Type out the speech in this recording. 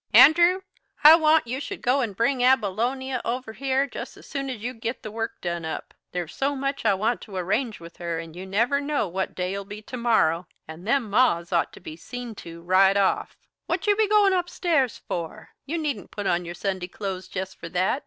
"Andrew, I want you should go and bring Abilonia over here as soon as you git the work done up. There's so much I want to arrange with her, and you never know what day'll be to morrow. And them moths ought to be seen to right off "What be you goin' up stairs for? You needn't put on your Sunday clothes jest for that.